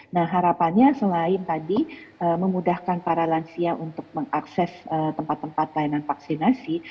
nah harapannya selain tadi memudahkan para lansia untuk mengakses tempat tempat layanan vaksinasi